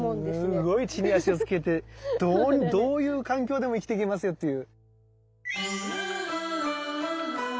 すごい地に足をつけてどういう環境でも生きていけますよっていう。